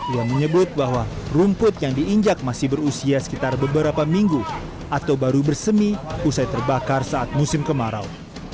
ia menyebut bahwa rumput yang diinjak masih berusia sekitar beberapa minggu atau baru bersemi usai terbakar saat musim kemarau